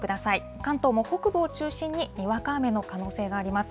関東も北部を中心ににわか雨の可能性があります。